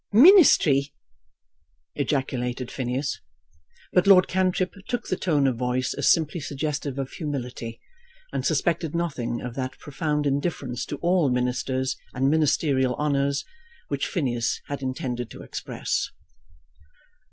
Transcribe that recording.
"Ministry!" ejaculated Phineas. But Lord Cantrip took the tone of voice as simply suggestive of humility, and suspected nothing of that profound indifference to all ministers and ministerial honours which Phineas had intended to express.